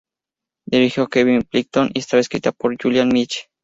Dirigió Kevin Billington y estaba escrita por Julian Mitchell.